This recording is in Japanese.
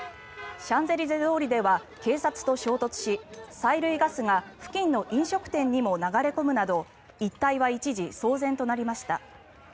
シャンゼリゼ通りでは警察と衝突し催涙ガスが付近の飲食店にも流れ込むなど一帯は一時、騒然となりました。